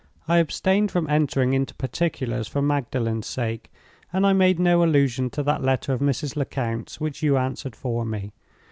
I abstained from entering into particulars for Magdalen's sake, and I made no allusion to that letter of Mrs. Lecount's which you answered for me.